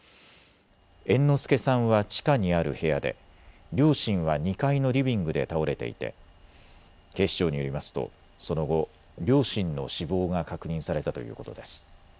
猿之助さんは地下にある部屋で、両親は２階のリビングで倒れていて警視庁によりますとその後両親の死亡が確認されたということです。